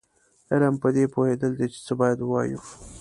علم پدې پوهېدل دي چې څه باید ووایو.